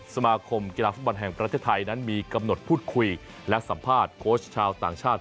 สมาคมกีฬาฟุตบอลแห่งประเทศไทยนั้นมีกำหนดพูดคุยและสัมภาษณ์โค้ชชาวต่างชาติ